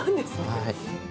はい。